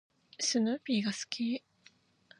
スヌーピーが好き。